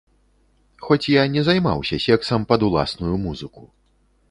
Хоць я не займаўся сексам пад уласную музыку.